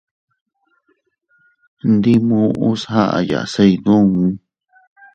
Ndi muʼus aʼaya se duun.